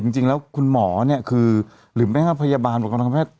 จริงแล้วคุณหมอคือหรือแม่งพยาบาลบุคลากรทางการแพทย์